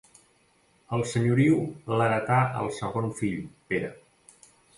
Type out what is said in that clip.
El senyoriu l'heretà el segon fill, Pere.